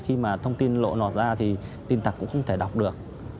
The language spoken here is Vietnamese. khi mà thông tin lộ lọt ra thì tin tặc cũng không thể đọc được